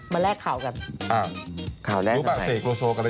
มาแลกข่าวกันข่าวแรก๑๙๕๔